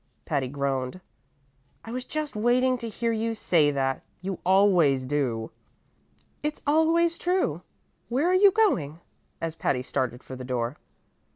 Patty groaned. "I was just waiting to hear you say that! You always do." "It's always true. Where are you going?" as Patty started for the door.